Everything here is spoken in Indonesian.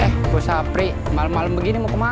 eh bisa prik malam begini mau kemana